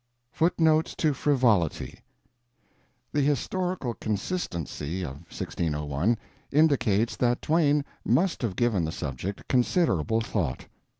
FOOTNOTES To Frivolity The historical consistency of 1601 indicates that Twain must have given the subject considerable thought.